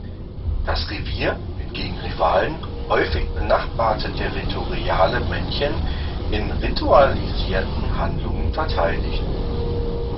Das Revier wird gegen Rivalen, häufig benachbarte territoriale Männchen, in ritualisierten Handlungen verteidigt.